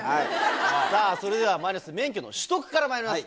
さあ、それではまず免許の取得からまいります。